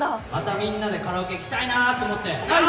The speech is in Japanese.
みんなでカラオケ行きたいなと思ってなあ